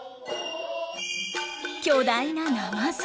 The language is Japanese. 巨大なナマズ。